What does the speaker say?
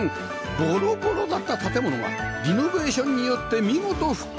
ボロボロだった建物がリノベーションによって見事復活！